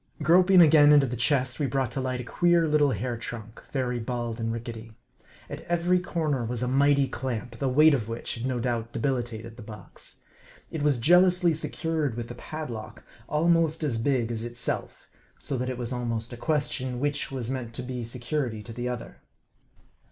Groping again into the chest, we brought to light a queer little hair trunk, very bald and rickety. At every corner was a mighty clamp, the weight of which had no doubt debilitated the box. It was jealously secured with a padlock, almost as big as itself ; so that it was almost a question, which was meant to be security to the other.